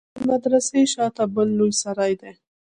د مدرسې شا ته بل لوى سراى دى.